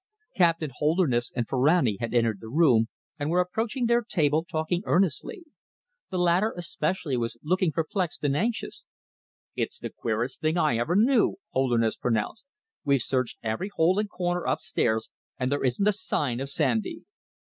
Captain Holderness and Ferrani had entered the room and were approaching their table, talking earnestly. The latter especially was looking perplexed and anxious. "It's the queerest thing I ever knew," Holderness pronounced. "We've searched every hole and corner upstairs, and there isn't a sign of Sandy."